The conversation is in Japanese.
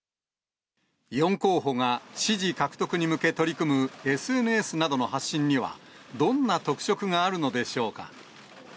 ４候補が支持獲得に向け取り組むＳＮＳなどの発信には、どんな特色があるのでしょうか。